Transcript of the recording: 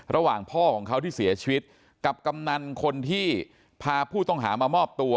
ระหว่างพ่อของเขาที่เสียชีวิตกับกำนันคนที่พาผู้ต้องหามามอบตัว